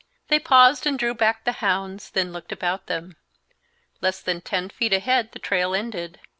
They paused and drew back the hounds, then looked about them. Less than ten feet ahead the trail ended.